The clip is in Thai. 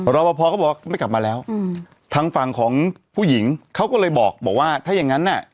รอปภก็บอกว่าไม่กลับมาแล้วทางฝั่งของผู้หญิงเขาก็เลยบอกว่าถ้าอย่างงั้นน่ะ